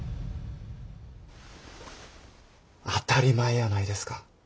当たり前やないですか。